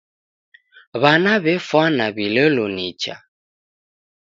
W'ana w'efwana w'ilelo nicha.